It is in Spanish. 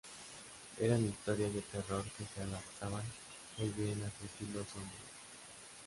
Eran historias de terror que se adaptaban muy bien a su estilo sombrío.